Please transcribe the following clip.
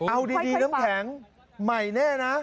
เอาดีน้ำแข็งใหม่แน่นะ